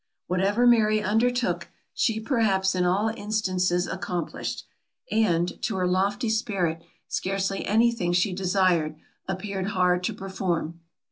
Whatever Mary undertook, she perhaps in all instances accomplished; and, to her lofty spirit, scarcely anything she desired, appeared hard to perform.